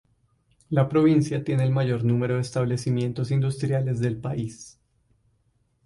La provincia tiene el mayor número de establecimientos industriales del país.